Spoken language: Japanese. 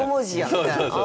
みたいなあ。